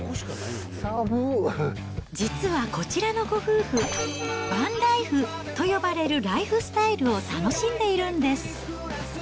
実はこちらのご夫婦、バンライフと呼ばれるライフスタイルを楽しんでいるんです。